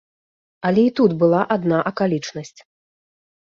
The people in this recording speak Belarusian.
Але і тут была адна акалічнасць.